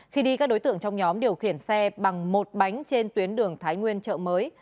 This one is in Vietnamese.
khi đi các đối tượng trong nhóm điều khiển xe bằng một bánh trên tuyến đường thái nguyên chợ mới